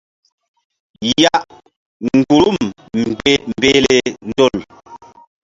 Ya mgbuhrum mbehle ndol.